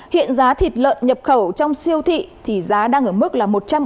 hiện giá thịt lợn nhập khẩu trong siêu thị thì giá đang ở mức là